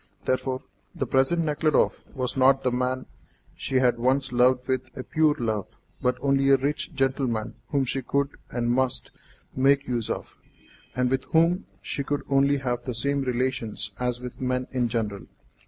Therefore, the present Nekhludoff was not the man she had once loved with a pure love, but only a rich gentleman whom she could, and must, make use of, and with whom she could only have the same relations as with men in general.